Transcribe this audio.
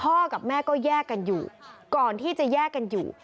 กับแม่ก็แยกกันอยู่ก่อนที่จะแยกกันอยู่